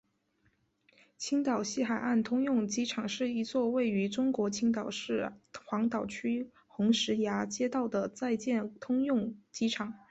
青岛西海岸通用机场是一座位于中国青岛市黄岛区红石崖街道的在建通用机场。